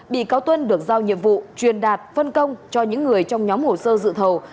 bị cáo tuân được giao nhiệm vụ truyền đạt phân công cho những người trong nhóm hồ sơ dự thầu